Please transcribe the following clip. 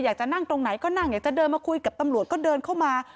อยากจะนั่งตรงไหนก็นั่งอยากจะเดินมาคุยกับตำรวจก็เดินเข้ามา